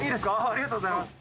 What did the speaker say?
ありがとうございます。